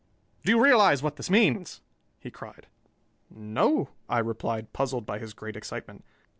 "Do you realize what this means?" he cried. "No," I replied, puzzled by his great excitement.